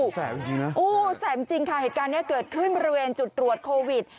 แสนจริงนะโอ้แสนจริงค่ะเหตุการณ์นี้เกิดขึ้นบริเวณจุดตรวจโควิด